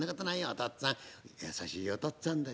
お父っつぁん優しいお父っつぁんだ。